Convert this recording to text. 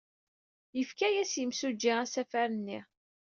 Yefka-as yimsujji asafar-ni.